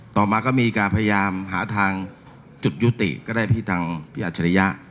ต่อมาก็มีการพยายามหาทางจุดยุติก็ได้ที่ทางพี่อัจฉริยะ